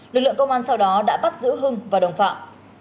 lực lượng công an sau đó đã bắt giữ hưng và đồng phạm